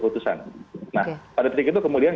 keputusan nah pada ketika itu kemudian